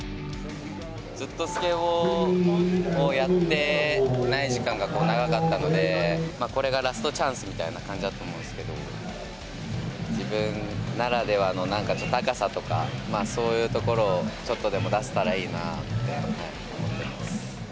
ずっとスケボーをやってない時間が長かったので、これがラストチャンスみたいな感じだと思うんですけど、自分ならではの、なんか、高さとか、そういうところをちょっとでも出せたらいいなって思ってます。